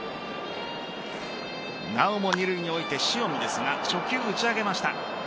なおも二塁に置いて塩見ですが初球、打ち上げました。